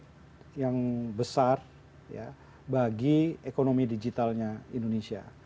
yang besar bagi ekonomi digitalnya indonesia